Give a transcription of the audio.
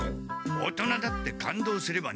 大人だって感動すればなく！